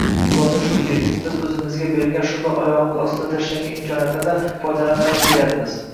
Xulosa shuki, biz o‘zimizga berilgan, shundoq oyog‘imiz ostiga tashlangan imkoniyatlardan foydalanmay kelyapmiz.